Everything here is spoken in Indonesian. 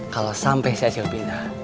kalau sampai si acil pindah